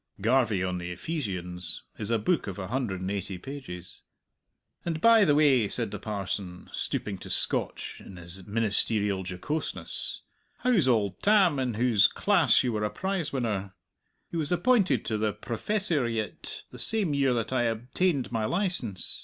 ("Garvie on the Ephesians" is a book of a hundred and eighty pages.) "And, by the way," said the parson, stooping to Scotch in his ministerial jocoseness, "how's auld Tam, in whose class you were a prize winner? He was appointed to the professoriate the same year that I obtained my licence.